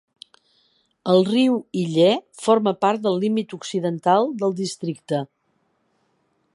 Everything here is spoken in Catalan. El riu Iller forma part del límit occidental del districte.